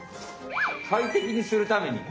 快適にするために。